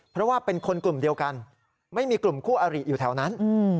เพราะว่าเป็นคนกลุ่มเดียวกันไม่มีกลุ่มคู่อริอยู่แถวนั้น